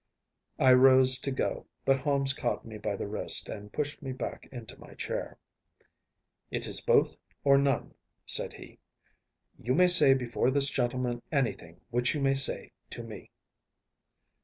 ‚ÄĚ I rose to go, but Holmes caught me by the wrist and pushed me back into my chair. “It is both, or none,‚ÄĚ said he. “You may say before this gentleman anything which you may say to me.